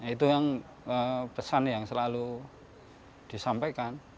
itu yang pesan yang selalu disampaikan